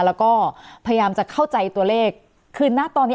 แล้วก็พยายามจะเข้าใจตัวเลขคือณตอนนี้